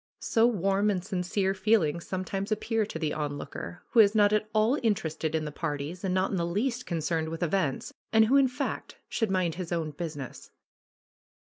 So warm and sincere feelings some times appear to the onlooker, who is not at all inter ested in the parties and not in the least concerned with events, and who, in fact, should mind his own business.